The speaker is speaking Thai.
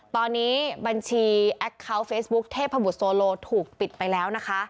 ตอนนี้บัญชีแอคเคาน์เฟซบุ๊คเทพบุตรโซโลถูกปิดไปแล้วนะคะ